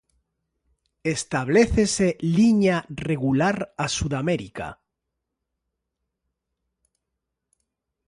Establécese liña regular a Sudamérica.